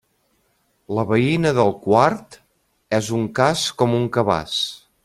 La veïna del quart és un cas com un cabàs.